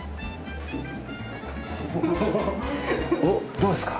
どうですか？